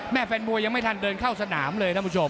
แม่แฟนบวยยังไม่ทันเดินเข้าสนามเลย